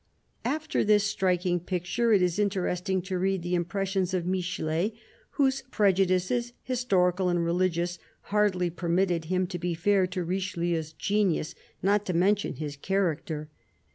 After this striking picture, it is interesting to read the impressions of Michelet, whose prejudices, historical and religious, hardly permitted him to be fair to Richelieu's genius, not to mention his character.